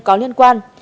có liên quan